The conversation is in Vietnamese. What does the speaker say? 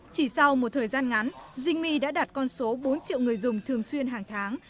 chỉ sau một thời gian ngắn dinh đã đạt con số bốn triệu người dùng thường xuyên hàng tháng